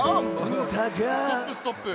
ストップストップ。